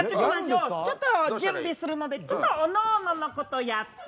ちょっと準備するのでちょっとおのおののことやって。